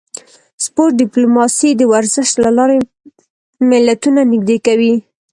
سپورت ډیپلوماسي د ورزش له لارې ملتونه نږدې کوي